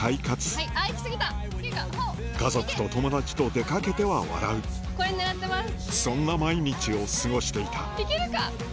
家族と友達と出かけては笑うそんな毎日を過ごしていたいけるか？